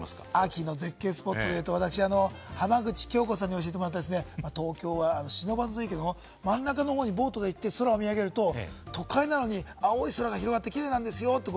秋の絶景スポットで言うと、浜口京子さんに教えてもらった、東京・不忍池の真ん中の方にボートが行って空を見上げると、都会なのに青い空が広がってキレイなんですよって